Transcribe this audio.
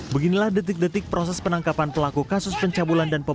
beginilah detik detik proses penangkapan pelaku kasus pencabulan yang terjadi di lombok